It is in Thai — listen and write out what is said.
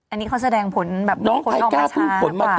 อันนี้เขาแสดงผลแบบคนผลขายมาช้า